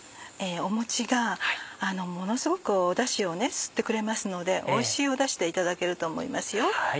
もちがものすごくダシを吸ってくれますのでおいしいダシでいただけると思いますよ。